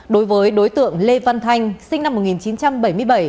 đối với đối tượng lê văn thanh sinh năm một nghìn chín trăm bảy mươi bảy